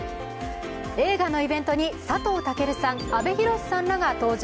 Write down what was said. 映画のイベントに佐藤健さん、阿部寛さんらが登場。